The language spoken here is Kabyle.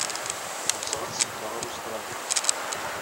Ɣseɣ ad ssikleɣ ɣer Ustṛalya.